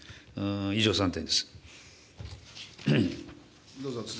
以上、３点です。